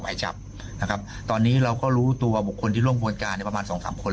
ไหว้จับครับตอนนี้เราก็รู้ตัวคนที่ร่วมบวกการประมาณ๒๓คน